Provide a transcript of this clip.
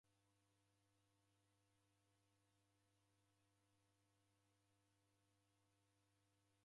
Kwakii kwaturua mbua lakini?